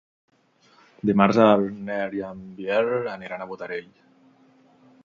Dimarts en Nel i en Biel aniran a Botarell.